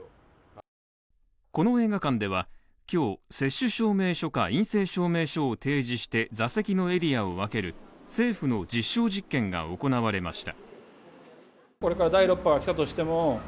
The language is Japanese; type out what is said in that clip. この映画館では今日、接種証明書か陰性証明書を提示して、座席のエリアを分ける政府の実証実験が行われました。